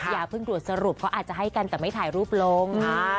อย่าเพิ่งตรวจสรุปเขาอาจจะให้กันแต่ไม่ถ่ายรูปลง